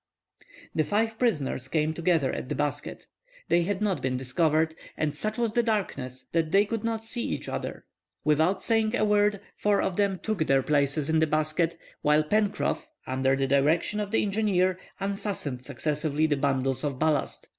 The five prisoners came together at the basket. They had not been discovered, and such was the darkness that they could not see each other. Without saying a word, four of them took their places in the basket, while Pencroff, under the direction of the engineer, unfastened successively the bundles of ballast.